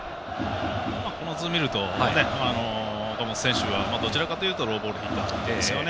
この図を見ると岡本選手はどちらかというとローボールヒッターですよね。